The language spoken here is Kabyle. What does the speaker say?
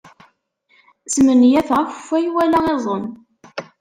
Smenyafeɣ akeffay wala iẓem.